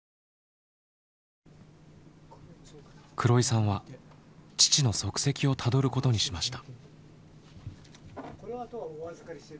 黒井さんは父の足跡をたどることにしました。